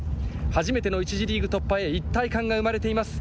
初めての１次リーグ突破へ、一体感が生まれています。